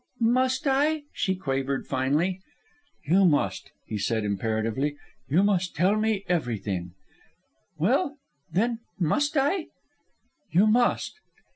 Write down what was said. "Must I?" she quavered finally. "You must," he said imperatively. "You must tell me everything." "Well, then... must I?" "You must."